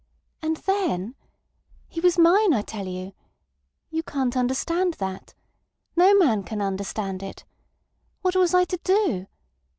And then—He was mine, I tell you. ... You can't understand that. No man can understand it. What was I to do?